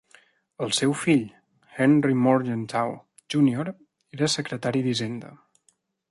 El seu fill Henry Morgenthau Junior era secretari d'Hisenda.